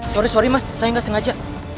sorry sorry mas saya gak sengaja